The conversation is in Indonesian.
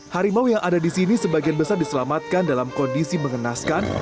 harimau yang ada di sini sebagian besar diselamatkan dalam kondisi mengenaskan